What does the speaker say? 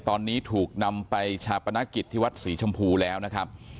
ตอนนี้ถูกนำไปชาปนกิจที่วัดศรีชมพูแล้วนะครับ